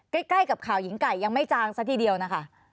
ใกล้กับข่าวหญิงไก่ยังไม่จางซะทีเดียวนะคะ